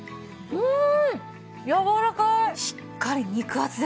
うん！